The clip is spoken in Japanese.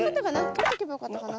とっとけばよかったかな。